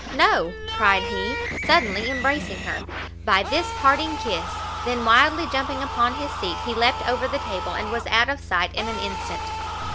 "No!" cried he, suddenly embracing her, "by this parting kiss!" then wildly jumping upon his seat, he leapt over the table, and was out of sight in an instant.